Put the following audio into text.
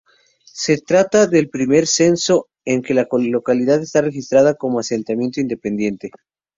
Se trata del primer censo en que la localidad es registrada como asentamiento independiente.